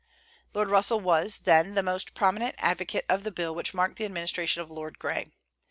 Lord Russell was, then, the most prominent advocate of the bill which marked the administration of Lord Grey.